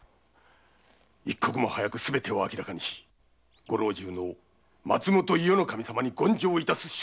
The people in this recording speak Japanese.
一刻も早くすべてを明らかにし御老中の松本伊予守様に言上いたす所存。